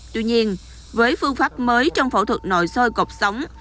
tuy nhiên với phương pháp mới trong phẫu thuật nội soi cột sống